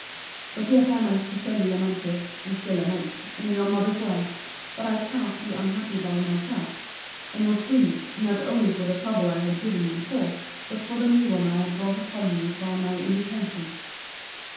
But yet I most sincerely lamented, (and still lament,) in your mother's words, That I cannot be unhappy by myself: and was grieved, not only for the trouble I had given you before; but for the new one I had brought upon you by my inattention.